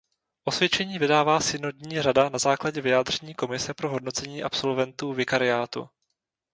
Osvědčení vydává synodní rada na základě vyjádření Komise pro hodnocení absolventů vikariátu.